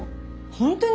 本当に？